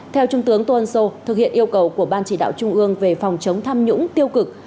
theo trung tướng tô ân sô thực hiện yêu cầu của ban chỉ đạo trung ương về phòng chống tham nhũng tiêu cực